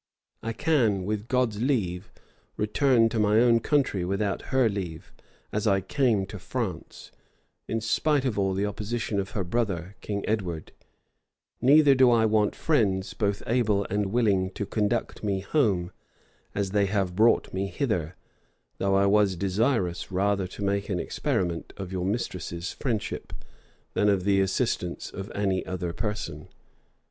I can, with God's leave, return to my own country without her leave; as I came to France, in spite of all the opposition of her brother, King Edward: neither do I want friends both able and willing to conduct me home, as they have brought me hither; though I was desirous rather to make an experiment of your mistress's friendship, than of the assistance of any other person.